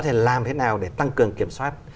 thì làm thế nào để tăng cường kiểm soát